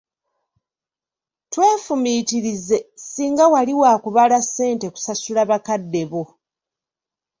Twefumiitirize, singa wali wakubala ssente kusasula bakadde bo.